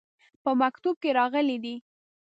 په مکتوب کې راغلي دي.